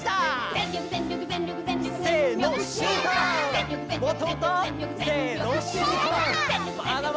「ぜんりょくぜんりょくぜんりょくぜんりょくあーーっ！」